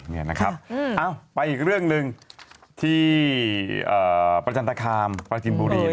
นี่นะครับไปอีกเรื่องหนึ่งที่ประจันตคามประจินบุรี